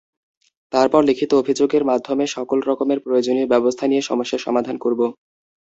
তারপর, লিখিত অভিযোগের মাধ্যমে সকল রকমের প্রয়োজনীয় ব্যবস্থা নিয়ে সমস্যার সমাধান করব।